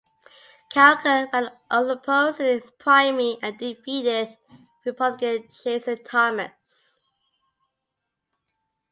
Kelker ran unopposed in the primary and defeated Republican Jason Thomas.